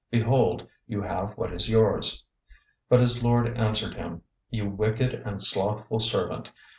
Behold, you have what is yours.' 025:026 "But his lord answered him, 'You wicked and slothful servant.